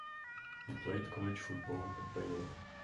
He played college football at Baylor.